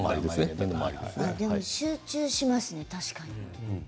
集中しますね、確かに。